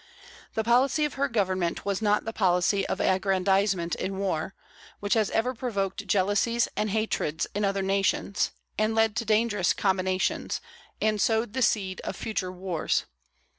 The policy of her Government was not the policy of aggrandizement in war, which has ever provoked jealousies and hatreds in other nations, and led to dangerous combinations, and sowed the seed of future wars.